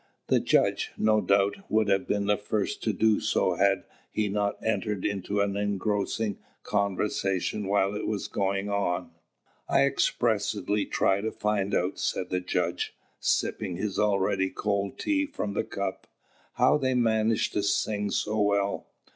The judge, no doubt, would have been the first to do so had he not entered into an engrossing conversation while it was going on. "I expressly tried to find out," said the judge, sipping his already cold tea from the cup, "how they manage to sing so well.